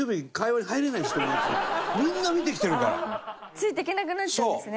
ついていけなくなっちゃうんですね